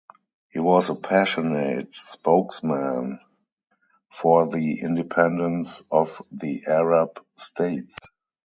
He was a passionate spokesman for the independence of the Arab states.